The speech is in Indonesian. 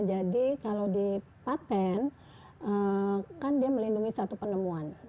jadi kalau di patent kan dia melindungi satu penemuan